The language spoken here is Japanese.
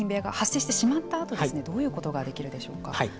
遺品部屋が発生してしまったあとどういうことができるでしょうか。